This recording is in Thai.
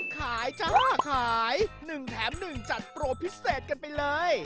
ขายจ้าขาย๑แถม๑จัดโปรพิเศษกันไปเลย